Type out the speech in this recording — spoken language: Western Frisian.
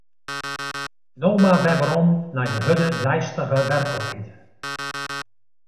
No mar wer werom nei de hurde deistige werklikheid.